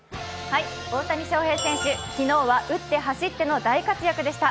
大谷翔平選手、昨日は打って走っての大活躍でした。